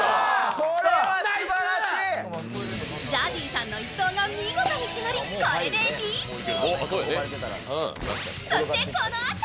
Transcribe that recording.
ＺＡＺＹさんの一投が見事に決まりこれでリーチ。